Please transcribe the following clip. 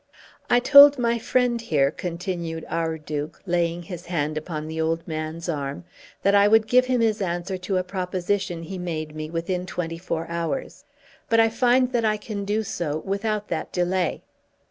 "I told my friend here," continued our Duke, laying his hand upon the old man's arm, "that I would give him his answer to a proposition he made me within twenty four hours. But I find that I can do so without that delay."